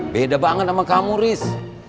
beda banget sama kamu riz